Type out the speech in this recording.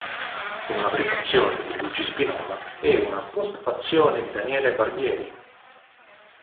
Con una prefazione di Luigi Spinola e una postfazione di Daniele Barbieri.